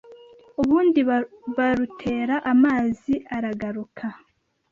ubundi barutera amazi aragaruka